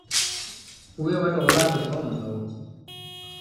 اُئي وٽ اولآد ڪونا هُݩدو۔